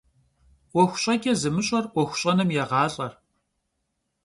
'uexu ş'eç'e zımış'er 'uexu ş'enım yêğalh'e.